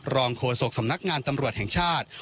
โฆษกสำนักงานตำรวจแห่งชาติ